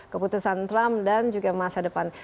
keputusan trump dan juga masa depan